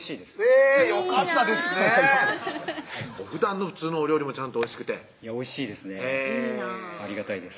えぇよかったですねふだんの普通のお料理もちゃんとおいしくておいしいですねありがたいです